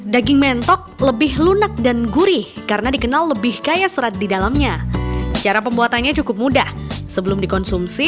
daging mentok pedas